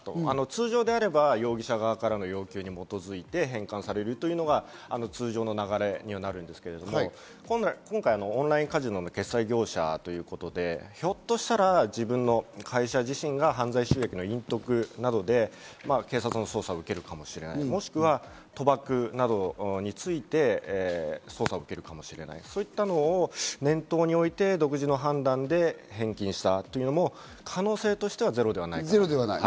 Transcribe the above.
可能性としてはありえるかなと通常であれば容疑者側からの要求に基づいて返還されるというのが通常の流れですが、今回オンラインカジノの決済業者ということで、ひょっとしたら自分の会社自身が犯罪収益の隠匿などで警察の捜査を受けるかもしれない、もしくは賭博などについて捜査を受けるかもしれない、そういったのを念頭において独自の判断で返金したというのも可能性としてはゼロではないです。